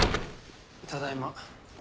ただいま。